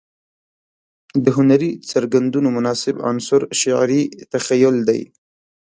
د هنري څرګندونو مناسب عنصر شعري تخيل دى.